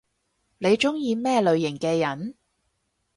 你中意咩類型嘅人？